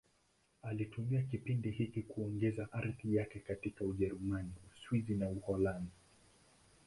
Alitumia kipindi hiki kuongeza athira yake katika Ujerumani, Uswisi na Uholanzi.